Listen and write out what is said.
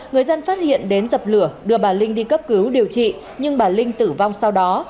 người dân phát hiện đến dập lửa đưa bà linh đi cấp cứu điều trị nhưng bà linh tử vong sau đó